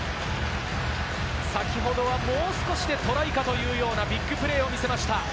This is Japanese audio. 先ほどはもう少しでトライかというようなビッグプレーを見せました。